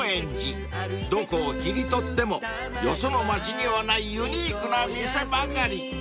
［どこを切り取ってもよその町にはないユニークな店ばかり］